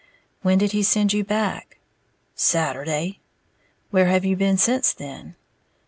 "When did he send you back?" "Saturday." "Where have you been since then?"